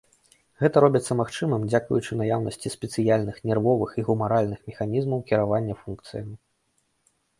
Гэта робіцца магчымым дзякуючы наяўнасці спецыяльных нервовых і гумаральных механізмаў кіравання функцыямі.